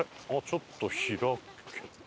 ちょっと開けた。